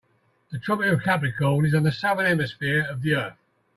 The Tropic of Capricorn is on the Southern Hemisphere of the earth.